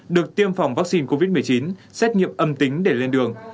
được tiêm phòng vaccine covid một mươi chín xét nghiệm âm tính để lên đường